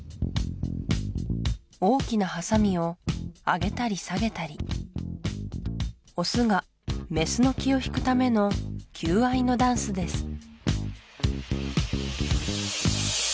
大きなハサミを上げたり下げたりオスがメスの気を引くための求愛のダンスです